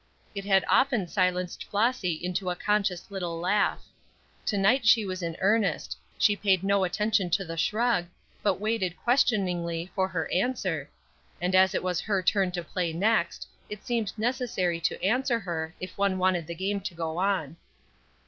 It had often silenced Flossy into a conscious little laugh. To night she was in earnest; she paid no attention to the shrug, but waited, questioningly, for her answer, and as it was her turn to play next, it seemed necessary to answer her if one wanted the game to go on.